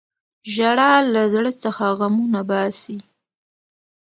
• ژړا له زړه څخه غمونه باسي.